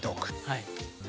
はい。